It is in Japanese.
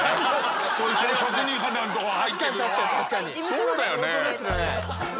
そうだよね。